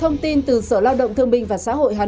thông tin từ sở lao động thương binh và xã hội hà nội